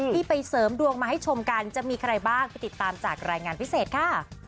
ที่ไปเสริมดวงมาให้ชมกันจะมีใครบ้างไปติดตามจากรายงานพิเศษค่ะ